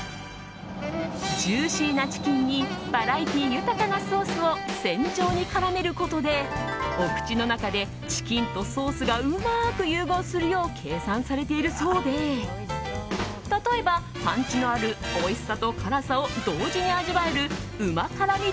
ジューシーなチキンにバラエティー豊かなソースを扇状に絡めることでお口の中でチキンとソースがうまく融合するよう計算されているそうで例えば、パンチのあるおいしさと辛さを同時に味わえるうま辛味